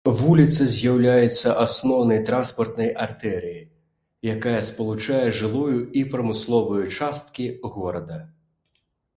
Вуліца з'яўляецца асноўнай транспартнай артэрыяй, якая спалучае жылую і прамысловую часткі горада.